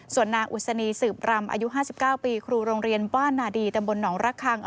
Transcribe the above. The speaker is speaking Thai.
ส่วนนางอุศนีสืบรำอายุ๕๙ปีครูโรงเรียนบ้านนาดีตำบลหนองระคัง